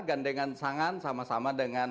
gandengan tangan sama sama dengan